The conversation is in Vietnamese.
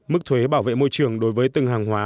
mức thuế bảo vệ môi trường đối với từng hàng hóa